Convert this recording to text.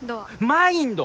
マインド！